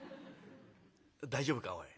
「大丈夫かおい。